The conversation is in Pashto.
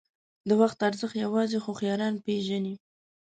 • د وخت ارزښت یوازې هوښیاران پېژني.